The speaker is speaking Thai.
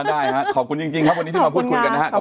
ได้ครับขอบคุณจริงครับวันนี้ที่มาพูดคุยกันนะครับ